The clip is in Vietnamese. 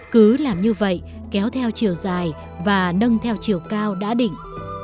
cứ làm như vậy kéo theo chiều dài và nâng theo chiều cao đã định